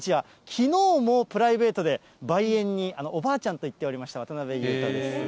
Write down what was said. きのうもプライベートで梅園に、おばあちゃんと行っておりました、渡辺裕太です。